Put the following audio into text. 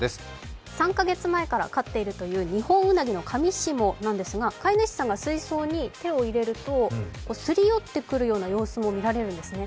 ３カ月前から飼っているというニホンウナギのかみしもなんですが、飼い主さんが水槽に手を入れるとすり寄ってくる様子も見られるんですね。